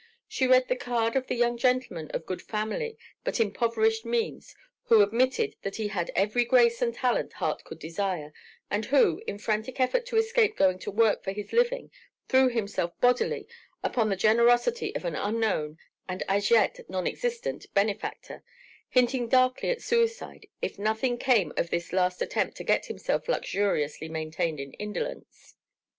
She read the card of the young gentleman of good family but impoverished means who admitted that he had every grace and talent heart could desire and who, in frantic effort to escape going to work for his living, threw himself bodily upon the generosity of an unknown, and as yet non existent, benefactor, hinting darkly at suicide if nothing came of this last attempt to get himself luxuriously maintained in indolence.